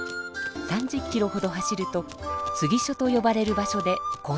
３０キロほど走るとつぎ所とよばれる場所で交代します。